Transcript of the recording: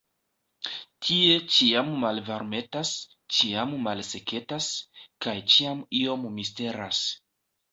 Tie ĉiam malvarmetas, ĉiam malseketas, kaj ĉiam iom misteras.